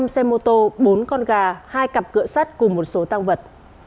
năm mươi năm xe mô tô bốn con gà hai cặp cửa sắt cùng một số tăng vật